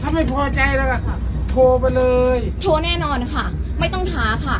ถ้าไม่พอใจแล้วก็โทรไปเลยโทรแน่นอนค่ะไม่ต้องท้าค่ะ